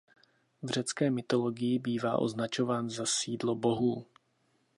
V řecké mytologii bývá označován za sídlo bohů.